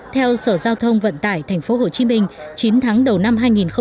theo sở giao thông vận tải tp hcm chín tháng đầu năm hai nghìn một mươi chín